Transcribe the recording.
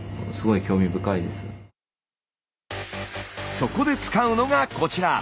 そこで使うのがこちら。